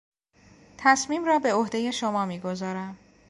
تصمیم را به عهدهی شما میگذارم.